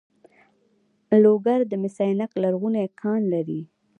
لوګر د مس عینک لرغونی کان لري